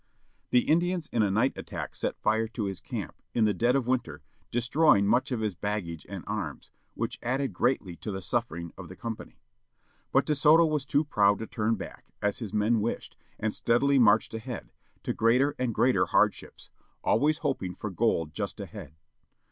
The Indians in a night attack set fire to his camp, in the dead of winter, destroying much of his baggage and arms, which added greatly to the suffering of the company. But De Soto was too proud to tvun back, as his men wished, and steadily marched ahead, to greater and greater hardships, always hoping for gold just ahead.